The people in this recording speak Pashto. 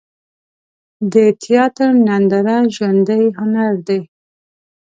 د تیاتر ننداره ژوندی هنر دی.